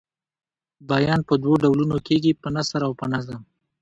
بیان په دوو ډولونو کیږي په نثر او په نظم.